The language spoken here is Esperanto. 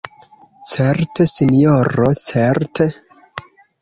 Certe, sinjoro, certe!